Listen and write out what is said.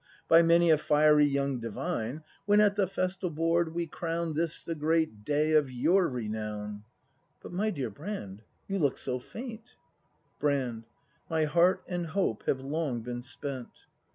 By many a jfiery young divine. When at the festal board we crown This the great day of your renown. — But, my dear Brand, you look so faint —? Brand. My heart and hope have long been spent.